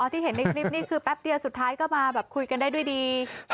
ที่เห็นในคลิปนี้คือแป๊บเดียวสุดท้ายก็มาแบบคุยกันได้ด้วยดี